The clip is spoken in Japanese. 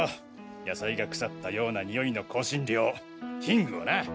野菜が腐ったような臭いの香辛料「ヒング」をな。